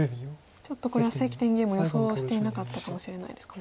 ちょっとこれは関天元も予想してなかったかもしれないですかね。